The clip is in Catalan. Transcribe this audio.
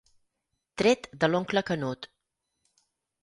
Tret de l'oncle Canut.